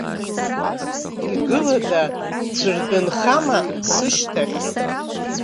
Игылада, ӡәыр дынхама сышьҭахь?